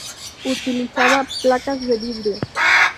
Utilizaba placas de vidrio.